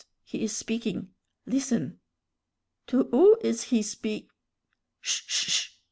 he is speaking; listen!" "To who is he speak ?" "Sh sh sh!